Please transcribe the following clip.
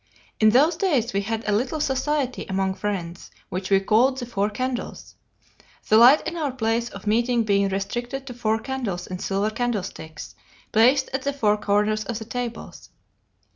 In those days we had a little society among friends, which we called 'The Four Candles,' the light in our place of meeting being restricted to four candles in silver candlesticks, placed at the four corners of the tables.